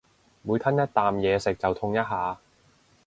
每吞一啖嘢食就痛一下